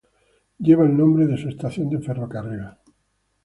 Lleva el nombre de su estación de ferrocarril.